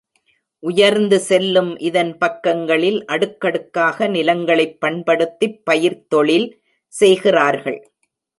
உயர்ந்து செல்லும் இதன் பக்கங்களில் அடுக்கடுக்காக நிலங்களைப் பண்படுத்திப் பயிர்த் தொழில் செய்கிறார்கள்.